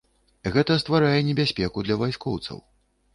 Гэта стварае небяспеку для вайскоўцаў.